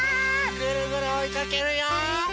ぐるぐるおいかけるよ！